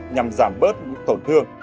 nhằm giảm bớt những thổn thương